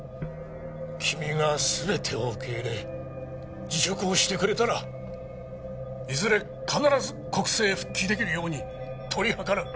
君が全てを受け入れ辞職をしてくれたらいずれ必ず国政復帰出来るように取り計らう。